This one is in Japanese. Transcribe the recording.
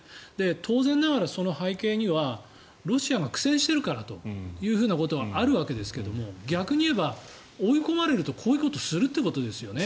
当然ながらその背景にはロシアが苦戦しているからということがあるわけですが逆に言えば追い込まれるとこういうことをするってことですよね。